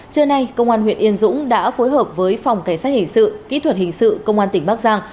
trưa nay công an huyện yên dũng đã phối hợp với phòng cảnh sát hình sự kỹ thuật hình sự công an tỉnh bắc giang